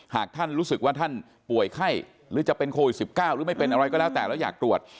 หากท่านรู้สึกว่าท่านป่วยไข้หรือจะเป็นโควิด๑๙หรือไม่เป็นอะไรก็แล้วแต่แล้วอยากตรวจ